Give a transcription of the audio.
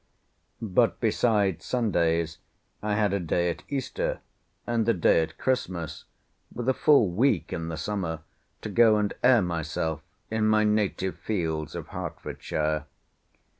But besides Sundays I had a day at Easter, and a day at Christmas, with a full week in the summer to go and air myself in my native fields of Hertfordshire.